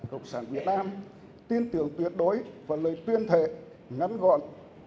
cộng sản việt nam tin tưởng tuyệt đối và lời tuyên thệ ngắn gọn